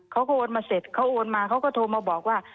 เขาก็โอนมาเสร็จเขาโอนมาเขาก็โทรมาบอกว่า